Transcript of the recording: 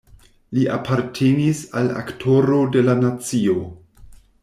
Li apartenis al Aktoro de la nacio.